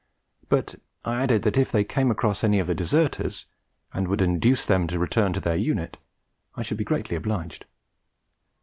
But I added that if they came across any of the deserters, and would induce them to return to their unit, I should be greatly obliged.